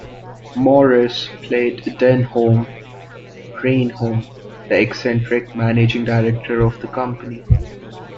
Morris played Denholm Reynholm, the eccentric managing director of the company.